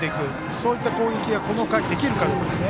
そういった攻撃がこの回できるかどうかですね。